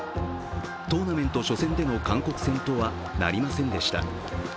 トーナメント初戦での韓国戦とはなりませんでした。